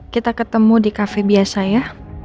kita ketemu di kafe biasa ya